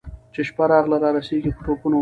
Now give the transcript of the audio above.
چي شپه راغله رارسېږي په ټوپونو